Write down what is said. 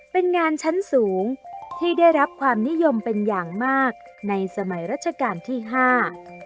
เป็นงานชั้นสูงที่ได้รับความนิยมเป็นอย่างมากในสมัยรัชกาลที่ห้า